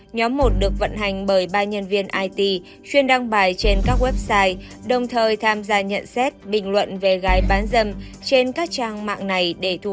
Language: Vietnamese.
nhóm một được vận hành bởi ba nhân viên it chuyên đăng bài trên các website đồng thời tham gia nhận xét bình luận về gái bán dâm trên các trang mạng này để thu hút